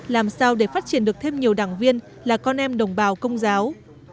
làm sao để phát triển được thêm nhiều đảng viên là con em đồng bào công giáo